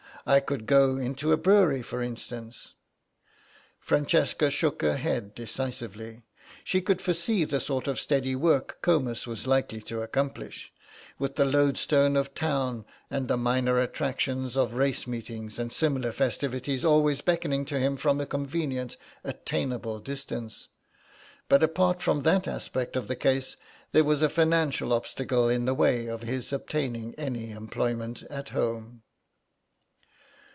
I could go into a brewery for instance." Francesca shook her head decisively; she could foresee the sort of steady work Comus was likely to accomplish, with the lodestone of Town and the minor attractions of race meetings and similar festivities always beckoning to him from a conveniently attainable distance, but apart from that aspect of the case there was a financial obstacle in the way of his obtaining any employment at home.